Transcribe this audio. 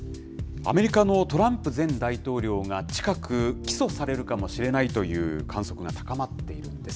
アメリカのトランプ前大統領が近く、起訴されるかもしれないという観測が高まっているんです。